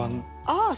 ああ！